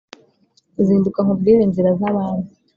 zinduka nkubwire inzira z'abami